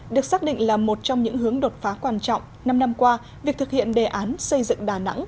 được xác định là một trong những hướng đột phá quan trọng năm năm qua việc thực hiện đề án xây dựng đà nẵng